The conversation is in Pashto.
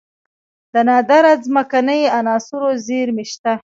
د نادره ځمکنۍ عناصرو زیرمې شته